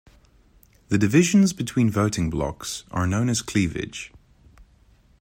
The divisions between voting blocs are known as cleavage.